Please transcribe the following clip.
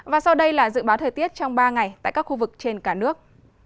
và sau đây là dự báo thời tiết trong ba ngày tại các khu vực trên cả nước